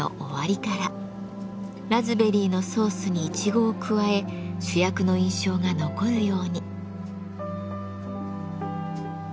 ラズベリーのソースにイチゴを加え主役の印象が残るように。